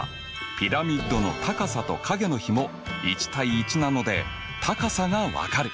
ピラミッドの高さと影の比も１：１なので高さが分かる！